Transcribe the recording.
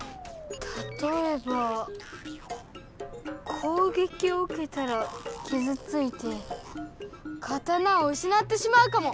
たとえばこうげきをうけたらきずついて刀をうしなってしまうかも！